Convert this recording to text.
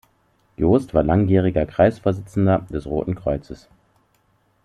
Jost war langjähriger Kreisvorsitzender des Roten Kreuzes.